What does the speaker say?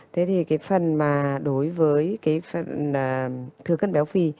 thế thì cái phần mà đối với cái phần thừa cân béo phi